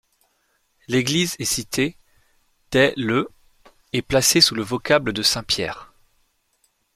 L'église est citée dés le et placée sous le vocable de st-Pierre.